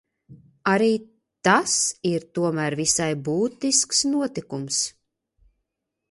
Arī tas ir tomēr visai būtisks notikums.